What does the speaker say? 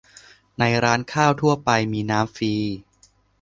ในร้านข้าวทั่วไปมีน้ำฟรี